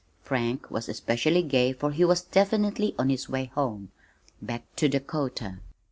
Frank was especially gay for he was definitely on his way home, back to Dakota.